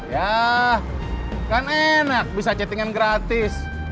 yah kan enak bisa chattingan gratis